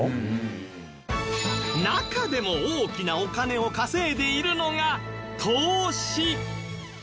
中でも大きなお金を稼いでいるのが投資